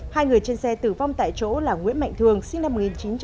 hai người trên xe tử vong tại chỗ là nguyễn mạnh thường sinh năm một nghìn chín trăm tám mươi